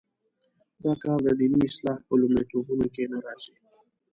دا کار د دیني اصلاح په لومړیتوبونو کې نه راځي.